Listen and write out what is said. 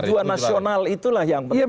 tujuan nasional itulah yang